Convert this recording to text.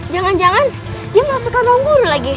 jangan jangan dia masukkan orang guru lagi